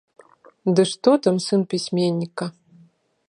Ды што там сын пісьменніка.